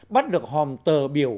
bắt được hòm tờ biểu